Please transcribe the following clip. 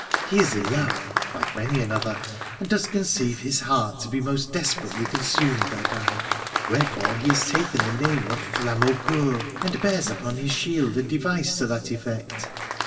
He is in love —• like many another — and does conceive his heart to be most desperately consumed thereby. Wherefore he has taken the name of Flamaucoeur, and bears upon his shield a device to that effect.